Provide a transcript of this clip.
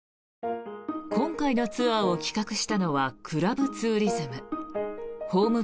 今回のツアーを企画したのはクラブツーリズム。